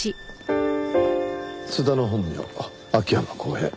津田の本名秋山耕平。